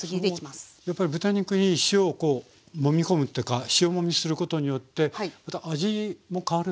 やっぱり豚肉に塩をこうもみ込むというか塩もみすることによってまた味も変わるんですか？